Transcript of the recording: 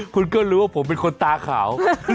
คุณก็รู้ว่าผมเป็นคนตาขาว